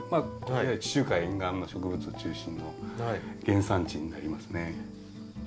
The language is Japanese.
地中海沿岸の植物中心の原産地になりますね。